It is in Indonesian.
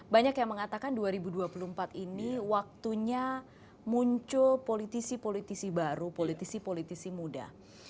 banyak yang mengatakan dua ribu dua puluh empat ini waktunya muncul politisi politisi baru politisi politisi muda